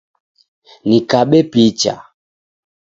Nikabe picha